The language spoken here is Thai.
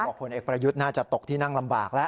แล้วก็ขอบคุณเอกประยุทธ์น่าจะตกที่นั่งลำบากแล้ว